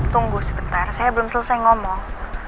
tunggu sebentar saya belum selesai ngomong